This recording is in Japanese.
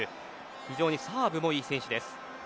非常にサーブもいい選手です。